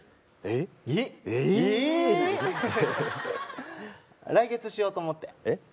えっ来月しようと思ってえっ？